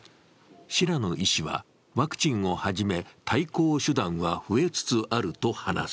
白野医師はワクチンをはじめ対抗手段は増えつつあると話す。